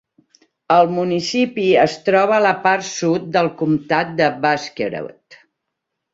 El municipi es troba a la part sud del comtat de Buskerud.